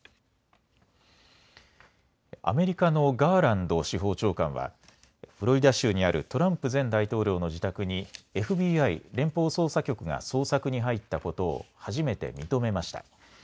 アメリカのガーランド司法長官はフロリダ州にあるトランプ前大統領の自宅にＦＢＩ・連邦捜査局が捜索に入ったことを初めて認めました。